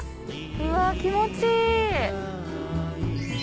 うわ気持ちいい。